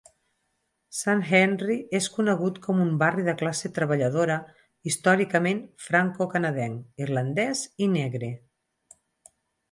Sant-Henri és conegut com un barri de classe treballadora històricament francocanadenc, irlandès i negre.